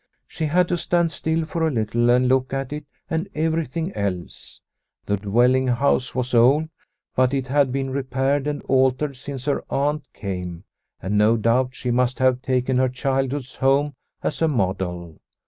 She had to stand still for a little and look at it and every thing else. The dwelling house was old, but it had been repaired and altered since her aunt came, and no doubt she must have taken her childhood's home as a model.